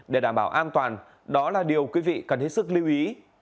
để đảm bảo an toàn đó là điều quý vị cần hết sức lưu ý